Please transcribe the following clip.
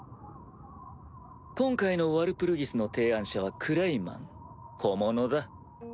今回のワルプルギスの提案者はクレイマン小者だ。